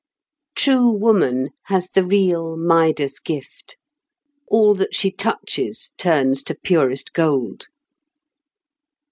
True woman has the real Midas gift: all that she touches turns to purest gold.